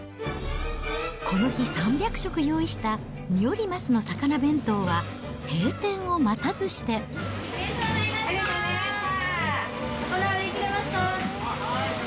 この日、３００食用意した三依鱒の魚弁当は、閉店を待たずしありがとうございました。